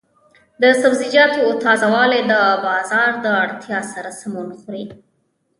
د سبزیجاتو تازه والي د بازار د اړتیا سره سمون خوري.